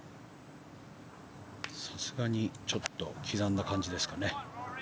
さすがにちょっと刻んだ感じですかね。